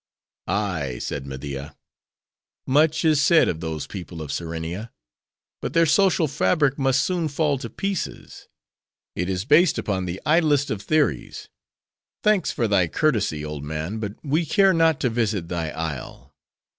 "Ay," said Media; "much is said of those people of Serenia; but their social fabric must soon fall to pieces; it is based upon the idlest of theories. Thanks for thy courtesy, old man, but we care not to visit thy isle.